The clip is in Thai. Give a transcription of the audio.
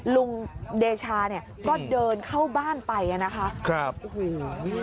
เดชาเนี่ยก็เดินเข้าบ้านไปอ่ะนะคะครับโอ้โห